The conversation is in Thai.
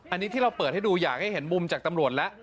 อันนี้ที่เราเปิดให้ดูอยากให้เห็นมุมจากตำรวจแล้ว